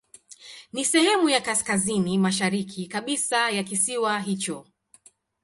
Ni sehemu ya kaskazini mashariki kabisa ya kisiwa hicho.